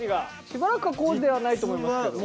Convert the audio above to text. しばらくはこうではないと思いますけど。